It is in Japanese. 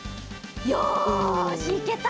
よしいけた！